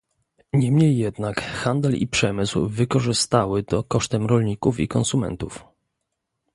Niemniej jednak handel i przemysł wykorzystały to kosztem rolników i konsumentów